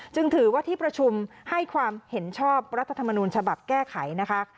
จึงถือว่าที่ประชุมให้ความเห็นชอบรัฐธรรมนูญฉบับแก้ไขนะคะ